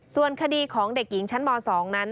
ส่วนคดีของเด็กหญิงชั้นม๒นั้น